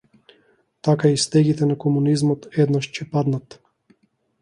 Така и стегите на комунизмот еднаш ќе паднат.